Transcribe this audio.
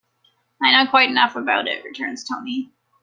"I know quite enough about it," returns Tony.